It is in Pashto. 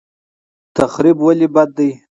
تخریب ولې بد دی؟